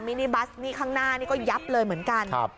นิบัสนี่ข้างหน้านี่ก็ยับเลยเหมือนกัน